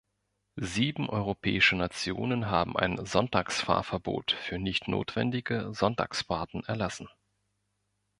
Sieben europäische Nationen haben ein Sonntagsfahrverbot für nicht notwendige Sonntagsfahrten erlassen.